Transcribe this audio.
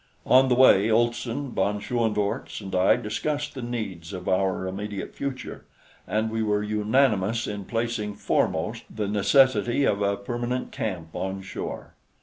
On the way Olson, von Schoenvorts and I discussed the needs of our immediate future, and we were unanimous in placing foremost the necessity of a permanent camp on shore.